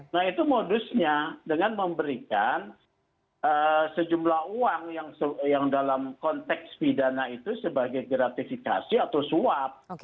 nah itu modusnya dengan memberikan sejumlah uang yang dalam konteks pidana itu sebagai gratifikasi atau suap